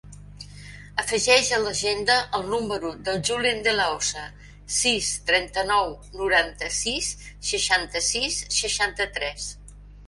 Afegeix a l'agenda el número del Julen De La Osa: sis, trenta-nou, noranta-sis, seixanta-sis, seixanta-tres.